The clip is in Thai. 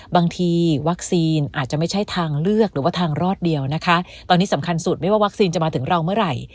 บางทีวัคซีนอาจจะไม่ใช่ทางเลือกหรือว่าทางรอดเดียวนะคะตอนนี้สำคัญสุดไม่ว่าวัคซีนจะมาถึงเราเมื่อไหร่